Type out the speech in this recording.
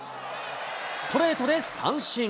ストレートで三振。